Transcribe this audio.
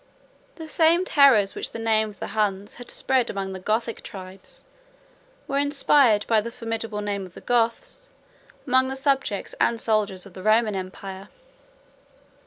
115 The same terrors which the name of the Huns had spread among the Gothic tribes, were inspired, by the formidable name of the Goths, among the subjects and soldiers of the Roman empire.